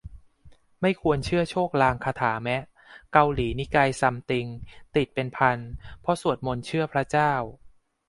ไม่ควรเชื่อโชคลางคาถาแมะ เกาหลีนิกายซัมติงติดเป็นพันเพราะสวดมนต์เชื่อพระเจ้า